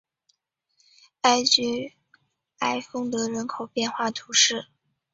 艾居埃丰德人口变化图示